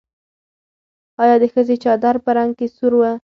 ایا د ښځې چادر په رنګ کې سور و؟